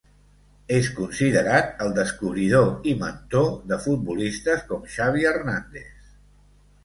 És considerat el descobridor i mentor de futbolistes com Xavi Hernández.